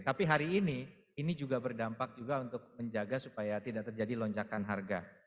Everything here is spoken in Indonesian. tapi hari ini ini juga berdampak juga untuk menjaga supaya tidak terjadi lonjakan harga